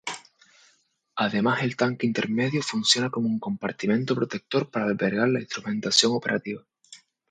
Además el tanque intermedio funciona como un compartimento protector para albergar la instrumentación operativa.